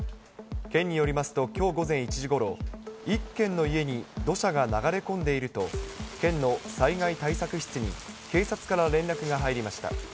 県によりますと、きょう午前１時ごろ、一軒の家に土砂が流れ込んでいると、県の災害対策室に警察から連絡が入りました。